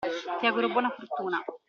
Ti auguro buona fortuna.